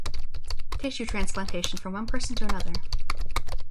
Tissue transplantation from one person to another.